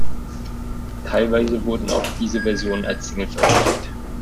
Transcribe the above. Teilweise wurden auch diese Versionen als Single veröffentlicht.